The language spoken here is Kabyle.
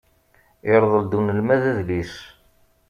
Irḍel-d unelmad adlis.